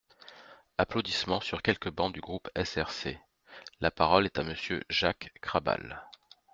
(Applaudissements sur quelques bancs du groupe SRC.) La parole est à Monsieur Jacques Krabal.